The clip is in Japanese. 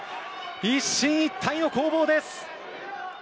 一進一退の攻防です。